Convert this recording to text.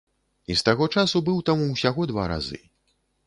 І з таго часу быў там усяго два разы.